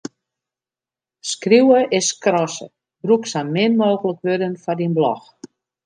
Skriuwe is skrasse: brûk sa min mooglik wurden foar dyn blog.